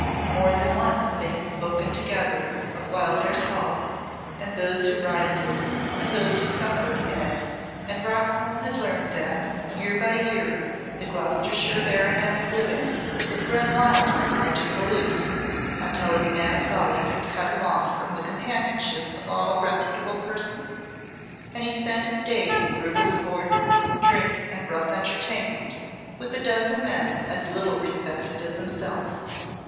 More than once they had spoken together of Wildairs Hall, and those who rioted, and those who suffered, in it, and Roxholm had learned that, year by year the Gloucestershire baronet's living had grown wilder and more dissolute, until his mad follies had cut him off from the companionship of all reputable persons, and he spent his days in brutal sports, drink, and rough entertainment with a dozen men as little respected as himself.